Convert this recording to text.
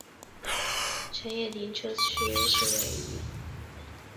辰野停车区是位于长野县上伊那郡辰野町的中央自动车道之休息区。